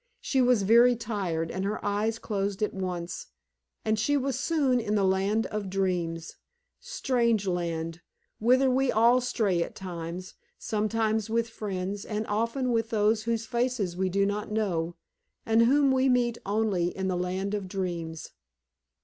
She was very tired, and her eyes closed at once, and she was soon in the land of dreams strange land, whither we all stray at times, sometimes with friends, and often with those whose faces we do not know, and whom we meet only in the land of dreams.